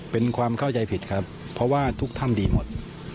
เป็นความเข้าใจผิดครับเพราะว่าทุกถ้ำดีหมด